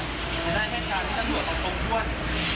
ได้แทนน่าการของสวน